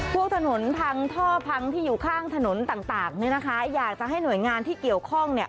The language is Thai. พวกถนนพังท่อพังที่อยู่ข้างถนนต่างเนี่ยนะคะอยากจะให้หน่วยงานที่เกี่ยวข้องเนี่ย